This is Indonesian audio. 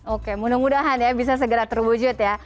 oke mudah mudahan ya bisa segera terwujud ya